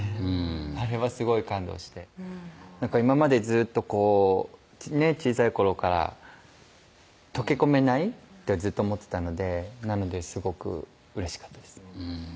あれはすごい感動して今までずっとこう小さい頃から溶け込めないってずっと思ってたのでなのですごくうれしかったです